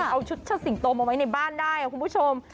เอาชุดเชิดสิงโตมาไว้ในบ้านได้คุณผู้ชม